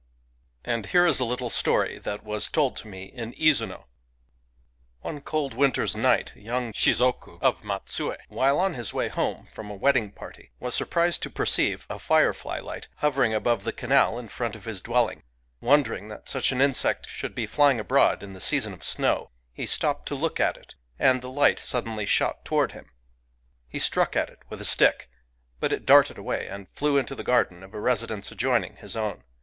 And here is a little story that was told me in Izuno: — One cold winter's night a young shizoku of Mat sue, while on his way home from a wedding party, was surprised to perceive a firefly light hovering above the canal in front of his dwelling. Wonder ing that such an insect should be flying abroad in the season of snow, he stopped to look at it ; and the light suddenly shot toward him. He struck Digitized by Googk 154 FIREFLIES at it with a stick ; but it darted away, and flew into the garden of a residence adjoining his own.